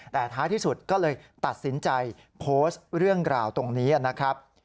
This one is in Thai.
แต่ท้ายที่สุดก็เลยตัดสินใจโพสต์เรื่องราวตรงนี้นะครับ